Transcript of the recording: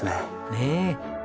ねえ。